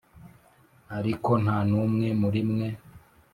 ariko ntanumwe murimwe